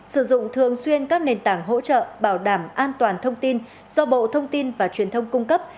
sử dụng thường xuyên các nền tảng hỗ trợ bảo đảm an toàn thông tin do bộ thông tin và truyền thông cung cấp